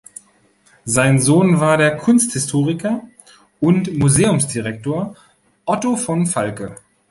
Sein Sohn war der Kunsthistoriker und Museumsdirektor Otto von Falke.